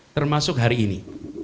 termasuk hari ini